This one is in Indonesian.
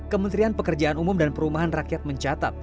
kementerian pekerjaan umum dan perumahan rakyat mencatat